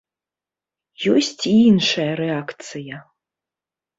Ёсць і іншая рэакцыя.